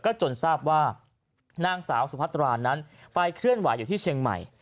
จนทราบว่านางสาวสุพัตรานั้นไปเคลื่อนไหวอยู่ที่เชียงใหม่